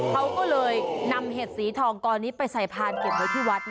เขาก็เลยนำเห็ดสีทองกอนี้ไปใส่พานเก็บไว้ที่วัด